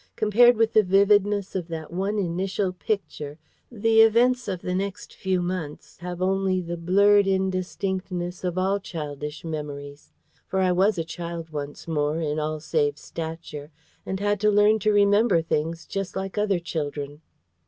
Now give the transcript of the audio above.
Compared with the vividness of that one initial Picture, the events of the next few months have only the blurred indistinctness of all childish memories. For I was a child once more, in all save stature, and had to learn to remember things just like other children.